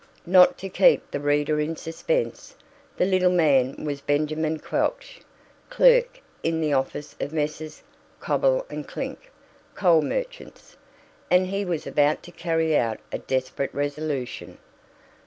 Not to keep the reader in suspense, the little man was Benjamin Quelch, clerk in the office of Messrs. Cobble & Clink, coal merchants, and he was about to carry out a desperate resolution.